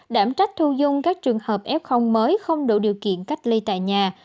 đảm trách thu dung các trường hợp f mới không đủ điều kiện cách ly tại nhà